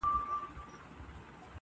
پلاره مه پرېږده چي ورور مي حرامخور سي.